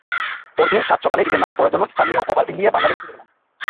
পরদিন সাত সকালে ঈদের নামাজ পড়ার জন্য স্থানীয় ওভারভিলিয়ে বাঙালি মসজিদে গেলাম।